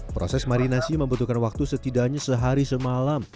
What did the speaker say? proses marinasi membutuhkan waktu setidaknya sehari semalam